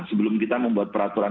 sebelum kita membuat peraturan